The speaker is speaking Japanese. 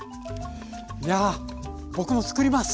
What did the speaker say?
いや僕も作ります。